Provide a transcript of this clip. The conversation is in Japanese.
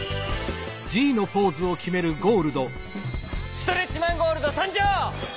ストレッチマンゴールドさんじょう！